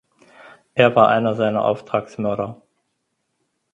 Er war einer seiner Auftragsmörder.